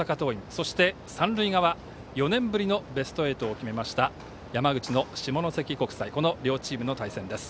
そして三塁側、４年ぶりのベスト８を決めました山口の下関国際この両チームの対戦です。